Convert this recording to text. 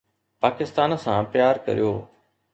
پاڪستان سان پيار ڪريو